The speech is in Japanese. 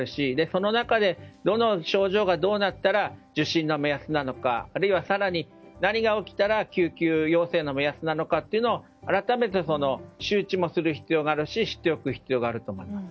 その中でどの症状がどうなったら受診の目安なのかあるいは更に、何が起きたら救急要請の目安なのかというのを改めて周知もする必要があるし知っておく必要があると思います。